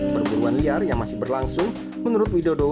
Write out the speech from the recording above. perburuan liar yang masih berlangsung menurut widodo